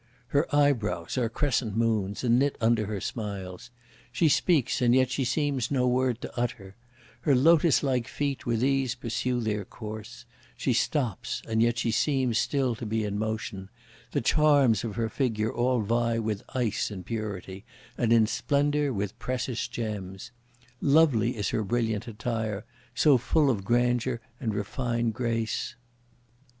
Her eyebrows are crescent moons, and knit under her smiles; she speaks, and yet she seems no word to utter; her lotus like feet with ease pursue their course; she stops, and yet she seems still to be in motion; the charms of her figure all vie with ice in purity, and in splendour with precious gems; Lovely is her brilliant attire, so full of grandeur and refined grace.